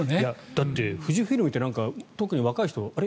だって富士フイルムって特に若い人あれ？